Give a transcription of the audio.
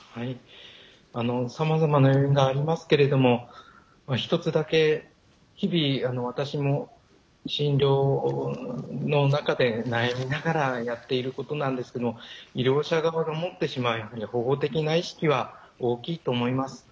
さまざまな要因がありますけども一つだけ、日々、私も診療の中で悩みながらやっていることなんですけど医療者側が思ってるより保護的な意識が大きいと思います。